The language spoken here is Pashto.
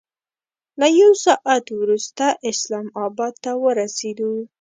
له یو ساعت وروسته اسلام اباد ته ورسېدو.